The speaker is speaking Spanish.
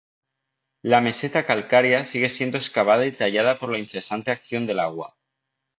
La meseta calcárea sigue siendo excavada y tallada por la incesante acción del agua.